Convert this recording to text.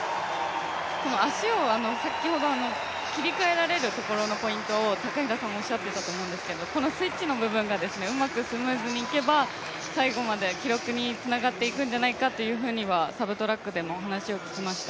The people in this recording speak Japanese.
足を先ほど切り替えられるところのポイントを高平さんおっしゃっていたと思うんですけど、このスイッチの部分がうまくスムーズにいけば、最後まで記録につながっていくんじゃないかとサブトラックでも話を聞きました。